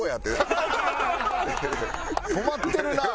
止まってるな！